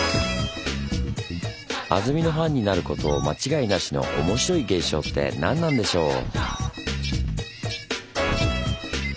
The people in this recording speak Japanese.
安曇野ファンになること間違いなしの面白い現象って何なんでしょう？